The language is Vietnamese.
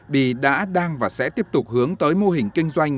bi đã đang và sẽ tiếp tục hướng tới mô hình kinh doanh